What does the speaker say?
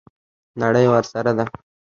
نړۍ ورسره ده.